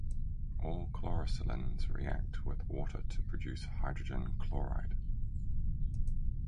All chlorosilanes react with water to produce hydrogen chloride.